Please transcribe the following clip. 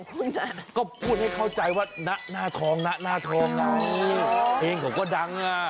ผู้ชายพยายามให้หยัดด้วยอยู่แต่ว่าคุณพูดอะไรของคุณน่ะ